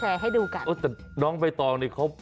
เอา